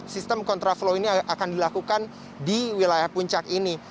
sistem kontraflow ini akan dilakukan di wilayah puncak ini